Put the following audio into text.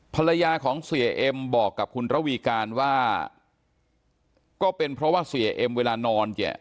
ภรรยาของเสียเอ็มบอกกับคุณระวีการว่าก็เป็นเพราะว่าเสียเอ็มเวลานอนเนี่ย